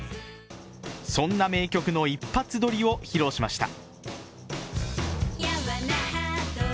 そんな名曲の一発撮りを披露しました。